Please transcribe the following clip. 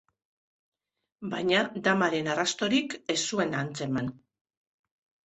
Baina damaren arrastorik ez zuen atzeman.